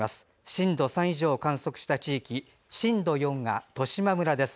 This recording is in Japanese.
震度３以上を観測した地域震度４が十島村です。